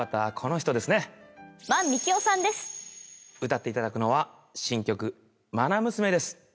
歌っていただくのは新曲『愛娘』です。